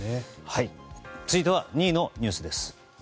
続いては２位のニュースです。